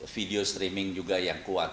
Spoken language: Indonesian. video streaming juga yang kuat